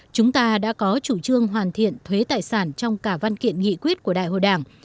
chúng ta đã có chủ trương hoàn thiện thuế tài sản trong cả văn kiện nghị quyết của đại hội đảng